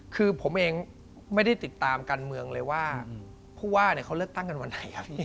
คือผมเองไม่ได้ติดตามการเมืองเลยว่าผู้ว่าเขาเลือกตั้งกันวันไหนครับพี่